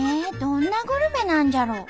どんなグルメなんじゃろう？